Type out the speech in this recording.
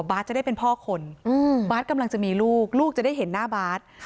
จะได้เป็นพ่อคนบาทกำลังจะมีลูกลูกจะได้เห็นหน้าบาส